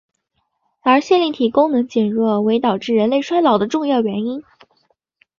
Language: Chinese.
而线粒体功能减弱为导致人类衰老的重要因素。